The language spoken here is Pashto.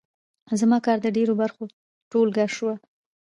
زما کار د ډېرو برخو ټولګه شوه.